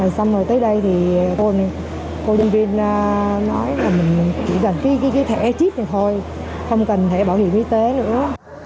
xong rồi tới đây thì tôi nhân viên nói là mình chỉ cần cái thẻ chip này thôi không cần thẻ bảo hiểm y tế nữa